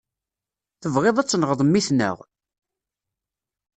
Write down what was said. Tebɣiḍ a tenɣeḍ mmi-tneɣ?